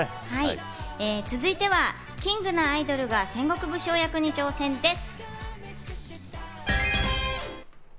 続いてはキングなアイドルが戦国武将役に挑戦です。